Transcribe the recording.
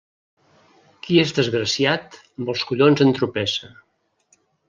Qui és desgraciat, amb els collons entropessa.